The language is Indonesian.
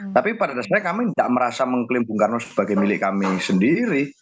tapi pada dasarnya kami tidak merasa mengklaim bung karno sebagai milik kami sendiri